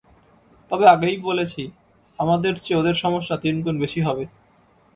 তবে আগেই বলেছি, আমাদের চেয়ে ওদের সমস্যা তিন গুণ বেশি হবে।